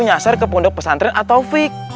nyasar ke pondok pesantren ataufik